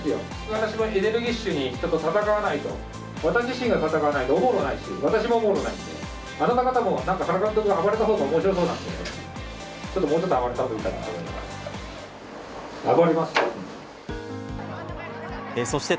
私もエネルギッシュに、ちょっと戦わないと、私自身が戦わないとおもろないし、私もおもろないんで、あなた方も、なんか原監督が暴れたほうがおもしろそうなんで、ちょっと、もうちょっと暴れたほうがいいかなと。